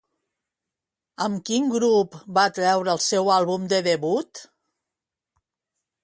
Amb quin grup va treure el seu àlbum de debut?